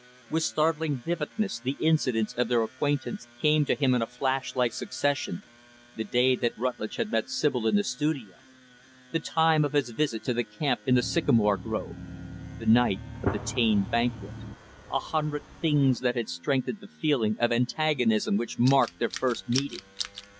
With startling vividness, the incidents of their acquaintance came to him in flash like succession the day that Rutlidge had met Sibyl in the studio; the time of his visit to the camp in the sycamore grove; the night of the Taine banquet a hundred things that had strengthened the feeling of antagonism which had marked their first meeting.